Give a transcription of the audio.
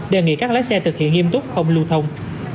đề nghị các lái xe thực hiện nghiêm túc không lưu thông